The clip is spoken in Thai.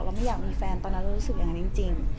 ไม่อยากมีแฟนตอนนั้นเรารู้สึกอย่างนั้นจริง